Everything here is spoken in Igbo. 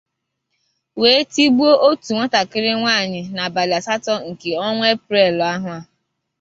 wee tigbuo otù nwatakịrị nwaanyị n'abalị asatọ nke ọnwa Eprel ahọ a.